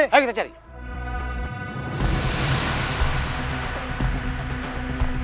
iya coba telpon lagi deh